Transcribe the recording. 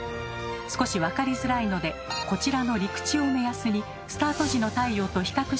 少し分かりづらいのでこちらの陸地を目安にスタート時の太陽と比較してご覧下さい。